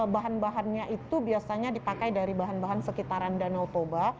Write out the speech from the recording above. bahan bahannya itu biasanya dipakai dari bahan bahan sekitaran danau toba